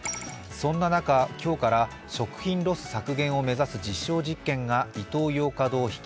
そんな中、今日から食品ロス削減を目指す実証実験がイトー